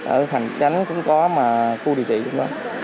ở thành tránh cũng có mà khu địa chỉ cũng có